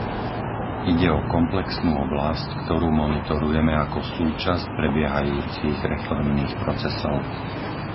Ide o komplexnú oblasť, ktorú monitorujeme ako súčasť prebiehajúcich reformných procesov.